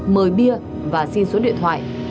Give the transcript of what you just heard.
mời bia và xin số điện thoại